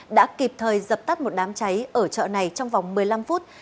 đã kịp thời dập tắt một đám cháy ở chợ này trong vòng một mươi năm phút